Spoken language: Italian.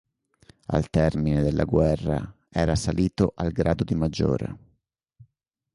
Al termine della guerra era salito al grado di maggiore.